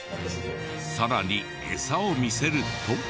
さらにエサを見せると。